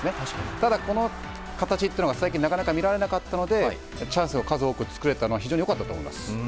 ただ、この形というのは最近なかなか見られなかったのでチャンスを数多く作れたのは非常に良かったと思います。